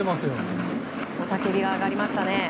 雄たけびが上がりましたね。